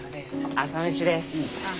朝飯です。